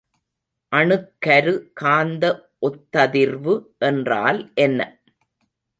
அணுக்கரு காந்த ஒத்ததிர்வு என்றால் என்ன?